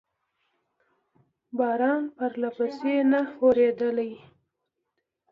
باران پرلپسې نه و اورېدلی.